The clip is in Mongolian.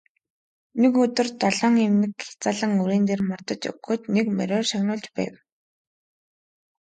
Нэг өдөр долоон эмнэг хязаалан үрээн дээр мордож өгөөд нэг мориор шагнуулж байв.